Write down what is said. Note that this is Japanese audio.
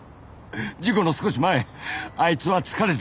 事故の少し前あいつは疲れていた。